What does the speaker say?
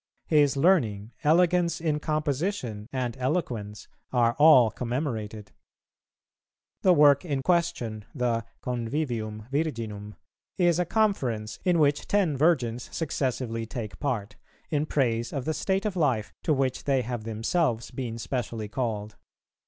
His learning, elegance in composition, and eloquence, are all commemorated.[408:2] The work in question, the Convivium Virginum, is a conference in which ten Virgins successively take part, in praise of the state of life to which they have themselves been specially called.